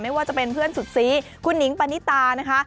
ไม่ว่าจะเป็นเพื่อนสุดซีคุณหิงปณิตานะคะ